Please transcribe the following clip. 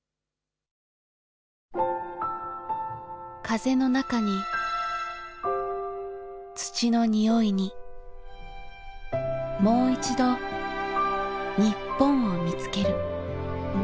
風の中に土の匂いにもういちど日本を見つける。